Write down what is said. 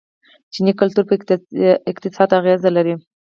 چیني کلتور په اقتصاد اغیز لري.